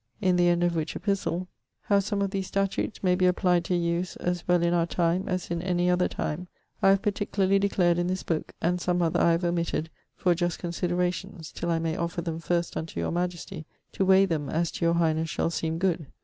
In the end of which epistle: 'how some of these statutes may be applied to use as well in our time as in any other time I have particularly declared in this book and some other I have omitted for just considerations till I may offer them first unto your majestie to weigh them as to your highness shall seem good.